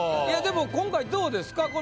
いやでも今回どうですか？